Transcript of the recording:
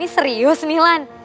ini serius nih lan